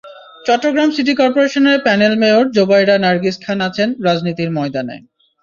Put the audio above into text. Chittagong city করপোরেশনের panel mayor Jobaira Nargis Khan আছেন রাজনীতির ময়দানে।